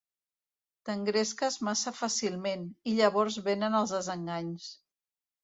T'engresques massa fàcilment, i llavors venen els desenganys.